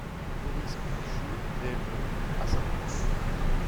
Maurice Goudichaud naît le à Saint-Émilion.